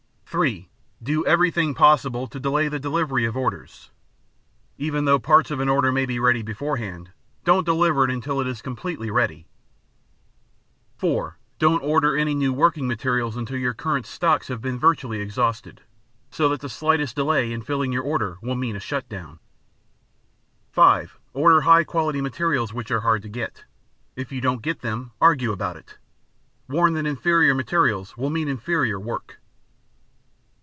(3) Do everything possible to delay the delivery of orders. Even though parts of an order may be ready beforehand, don't deliver it until it is completely ready. (4) Don't order new working materials until your current stocks have been virtually exhausted, so that the slightest delay in filling your order will mean a shutdown. (5) Order high quality materials which are hard to get. If you don't get them argue about it. Warn that inferior materials will mean inferior work.